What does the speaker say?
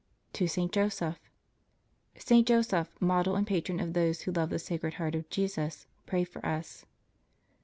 TO SAINT JOSEPH. Saint Joseph, model and patron of those who love the Sacred Heart of Jesus, pray for us.